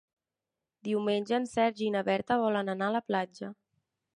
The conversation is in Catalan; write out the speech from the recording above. Diumenge en Sergi i na Berta volen anar a la platja.